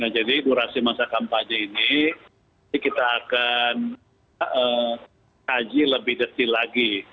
jadi durasi masa kampanye ini kita akan kaji lebih detil lagi